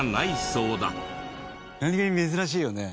何げに珍しいよね。